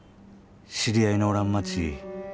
知り合いのおらん街